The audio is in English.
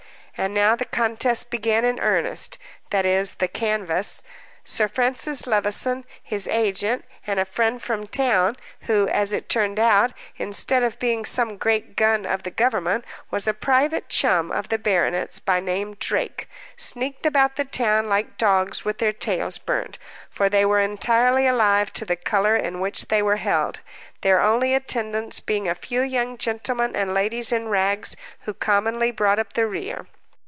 And now the contest began in earnest that is, the canvass. Sir Francis Levison, his agent, and a friend from town, who, as it turned out, instead of being some great gun of the government, was a private chum of the baronet's by name Drake, sneaked about the town like dogs with their tails burnt, for they were entirely alive to the color in which they were held, their only attendants being a few young gentlemen and ladies in rags, who commonly brought up the rear.